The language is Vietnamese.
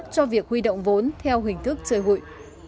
cho việc huy động vốn theo hình thức chơi hụi